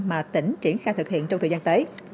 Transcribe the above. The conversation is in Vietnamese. mà tỉnh triển khai thực hiện trong thời gian tới